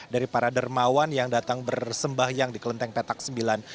dari para dermawan yang datang bersembahyang di kelenteng petak sembilan